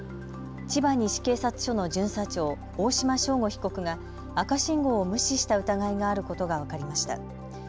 千葉西警察署の巡査長、大島将吾被告が赤信号を無視した疑いがあることが分かりました。